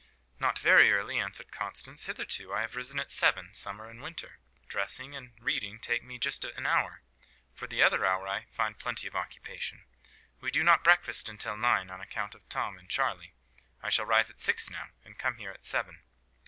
"Not very early," answered Constance. "Hitherto I have risen at seven, summer and winter. Dressing and reading takes me just an hour; for the other hour I find plenty of occupation. We do not breakfast until nine, on account of Tom and Charley. I shall rise at six now, and come here at seven."